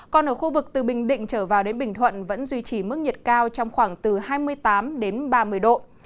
còn ở khu vực từ bình định trở vào đến bình thuận vẫn duy trì mức nhiệt cao trong khoảng từ hai mươi tám ba mươi độ